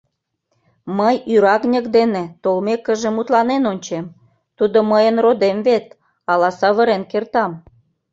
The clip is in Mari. Мый ӱрагньык дене, толмекыже, мутланен ончем; тудо мыйын родем вет, ала савырен кертам...